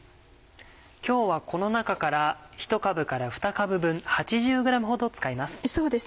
今日はこの中から１株から２株分８０ｇほど使います。